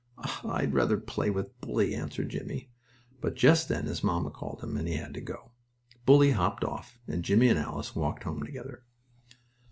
"Aw, I'd rather play with Bully," answered Jimmie, but just then his mamma called him, and he had to go. Bully hopped off, and Jimmie and Alice walked home together.